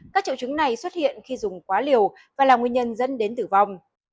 các triệu chứng này xuất hiện khi dùng quá liều và là nguyên nhân dẫn đến tử vong